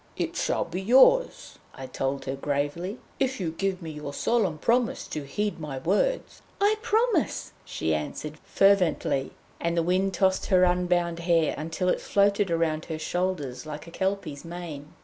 'It shall be yours,' I told her gravely, 'if you give me your solemn promise to heed my words.' 'I promise!' she answered fervently, and the wind tossed her unbound hair until it floated round her shoulders like a Kelpie's mane.